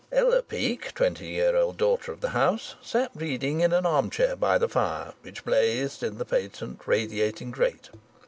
Ella Peake, twenty year old daughter of the house, sat reading in an arm chair by the fire which blazed in the patent radiating grate.